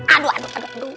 aduh aduh aduh